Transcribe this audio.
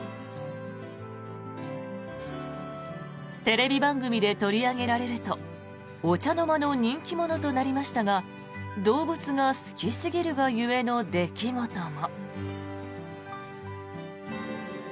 テレビ番組で取り上げられるとお茶の間の人気者となりましたが動物が好きすぎるが故の出来事も。